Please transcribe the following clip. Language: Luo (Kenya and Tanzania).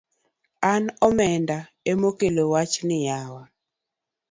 An omenda emokelo wachni yawa